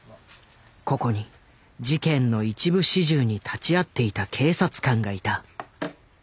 ここに事件の一部始終に立ち会っていた警察官がいた。